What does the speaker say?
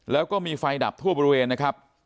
แล้วก็มีไฟดับทั่วบริเวณนะครับ